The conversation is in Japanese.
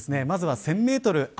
まずは１０００メートル